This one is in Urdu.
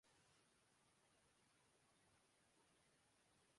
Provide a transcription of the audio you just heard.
شدت کم کرنے کے لیے پاکستان حافظ سعید کو